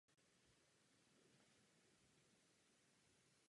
Někdy je řazen mezi sedm mudrců.